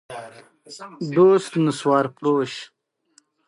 د مرچکو سپری د کومو حشراتو لپاره دی؟